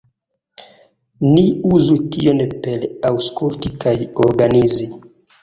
Ni uzu tion per aŭskulti kaj organizi.